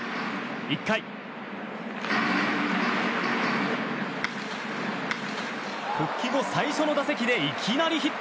１回、復帰後最初の打席でいきなりヒット。